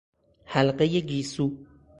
حلقهی گیسو